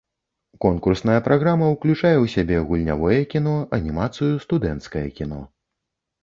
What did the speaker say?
Конкурсная праграма ўключае ў сябе гульнявое кіно, анімацыю, студэнцкае кіно.